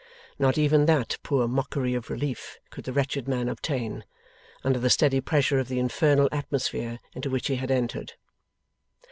Not even that poor mockery of relief could the wretched man obtain, under the steady pressure of the infernal atmosphere into which he had entered.